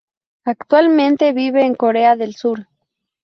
Actualmente vive en Corea del Sur.